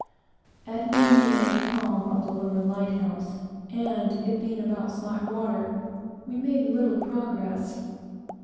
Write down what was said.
At noon, we lay becalmed off the lower light house; and it being about slack water, we made little progress.